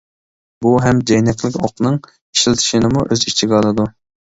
بۇ ھەم جەينەكلىك ئوقنىڭ ئىشلىتىلىشىنىمۇ ئۆز ئىچىگە ئالىدۇ.